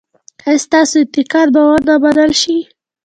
ایا ستاسو انتقاد به و نه منل شي؟